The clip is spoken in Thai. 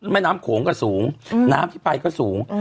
แม่น้ำโขงก็สูงน้ำที่ไปก็สูง